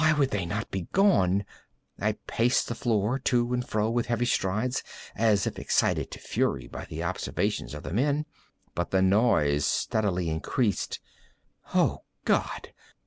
Why would they not be gone? I paced the floor to and fro with heavy strides, as if excited to fury by the observations of the men—but the noise steadily increased. Oh God!